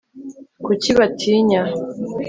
kuki batinya